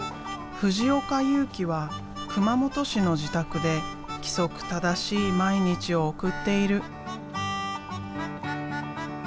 藤岡祐機は熊本市の自宅で規則正しい毎日を送っている。